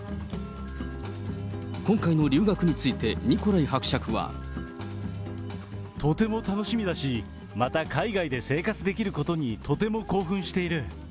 今回の留学について、とても楽しみだし、また海外で生活できることにとても興奮している。